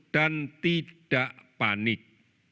dan tidak panik